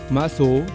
mã số mã vạch